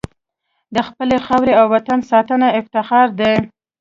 د خپلې خاورې او وطن ساتنه افتخار دی.